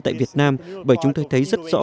tại việt nam bởi chúng tôi thấy rất rõ